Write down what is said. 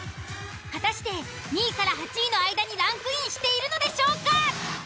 果たして２位８位の間にランクインしているのでしょうか。